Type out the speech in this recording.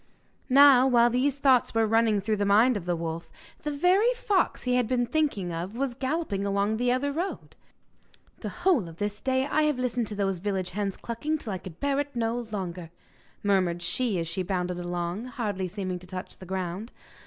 Now, while these thoughts were running through the mind of the wolf, the very fox he had been thinking of was galloping along the other road. 'The whole of this day I have listened to those village hens clucking till I could bear it no longer,' murmured she as she bounded along, hardly seeming to touch the ground.